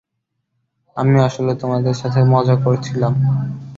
আমি আসলে তোমাদের সাথে মজা করছিলাম।